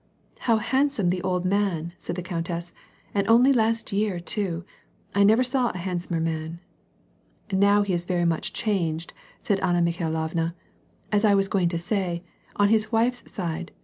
"How handsome the old man," said the coimtess, "and only last year too ! I never saw a handsomer man !"" Now he is very much changed," said Anna Mikhailovna, "As I was going to say, on his wife's side.